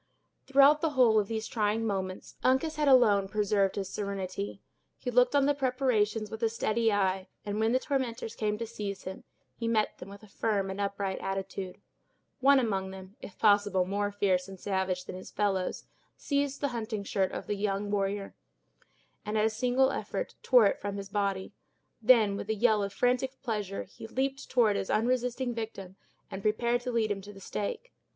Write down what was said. Throughout the whole of these trying moments, Uncas had alone preserved his serenity. He looked on the preparations with a steady eye, and when the tormentors came to seize him, he met them with a firm and upright attitude. One among them, if possible more fierce and savage than his fellows, seized the hunting shirt of the young warrior, and at a single effort tore it from his body. Then, with a yell of frantic pleasure, he leaped toward his unresisting victim and prepared to lead him to the stake.